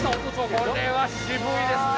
これは渋いですね。